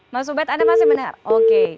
mas ubed anda masih benar oke